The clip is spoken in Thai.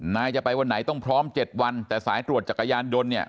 นายจะไปวันไหนต้องพร้อม๗วันแต่สายตรวจจักรยานยนต์เนี่ย